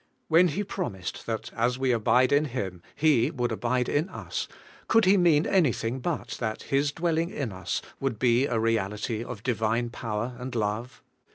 When He promised that as we abide in Him He would abide in us, could He mean anything but that His dwelling in us would be a reality of Divine power and love?